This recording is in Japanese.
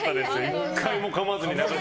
１回もかまずに。